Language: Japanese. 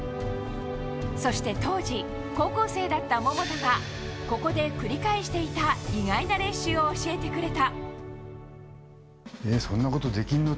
そして当時、高校生だった桃田がここで繰り返していた意外な練習を教えてくれた。